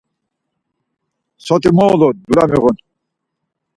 Soti mo ulur, dulya miğunan.